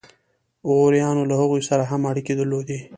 غوریانو له هغوی سره هم اړیکې درلودې.